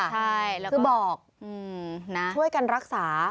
ใช่แล้วก็คือบอกนะช่วยกันรักษา